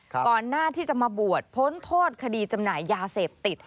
ก่อนหน้าที่จะมาบวชพ้นโทษคดีจำหน่ายยาเสพติด